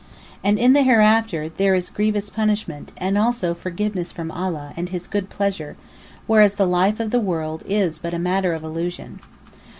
And in the Hereafter there is grievous punishment, and (also) forgiveness from Allah and His good pleasure, whereas the life of the world is but matter of illusion.